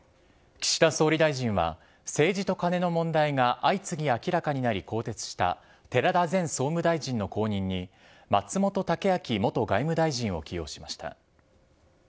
岸田総理大臣は、政治とカネの問題が相次ぎ明らかになり更迭した、寺田前総務大臣の後任に、松本剛明元外務大臣を起用しました。